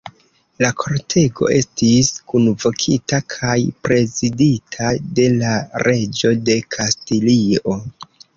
La kortego estis kunvokita kaj prezidita de la reĝo de Kastilio.